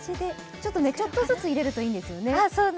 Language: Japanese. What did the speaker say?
ちょっとずつ入れるといいんですよね。